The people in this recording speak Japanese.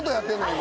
今。